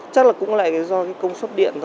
chắc là cũng lại do công suất điện thôi